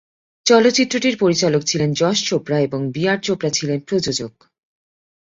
চলচ্চিত্রটির পরিচালক ছিলেন যশ চোপড়া এবং বি আর চোপড়া ছিলেন প্রযোজক।